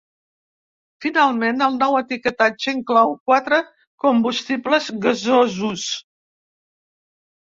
Finalment, el nou etiquetatge inclou quatre combustibles gasosos.